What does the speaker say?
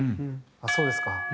「ああそうですか」